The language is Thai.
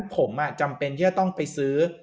ผมจำเป็นที่จะต้องไปซื้อ